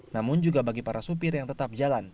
namun juga bagi para supir yang tetap jalan